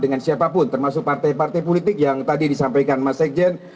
dengan siapapun termasuk partai partai politik yang tadi disampaikan mas sekjen